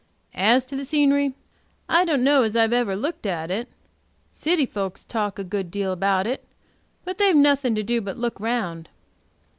As to the scenery, I don't know as I ever looked at it; city folks talk a good deal about it, but they've nothing to do but look round."